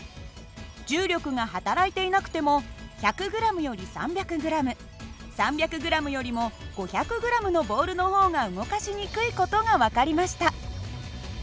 重力が働いていなくても１００ｇより３００ｇ３００ｇよりも５００ｇのボールの方が動かしにくい事が分かりました。